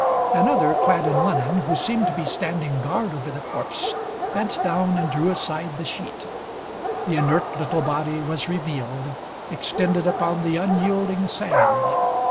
Another, clad in linen, who seemed to be standing guard over the corpse, bent down and drew aside the sheet. The inert little body was revealed, extended upon the unyielding sand.